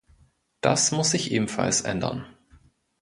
Das muss sich ebenfalls ändern.